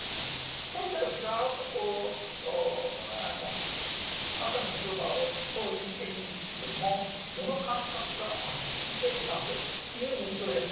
戦車がずらっと赤の広場を通り抜けるんですけども、その間隔が空きすぎてるなという印象です。